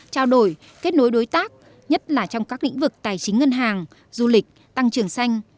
trao đổi kết nối đối tác nhất là trong các lĩnh vực tài chính ngân hàng du lịch tăng trưởng xanh